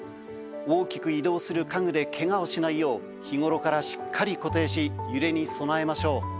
大きく移動する家具でけがをしないよう日頃から、しっかり固定し揺れに備えましょう。